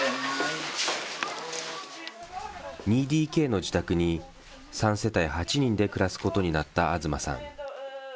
２ＤＫの自宅に、３世帯８人で暮らすことになった東さん。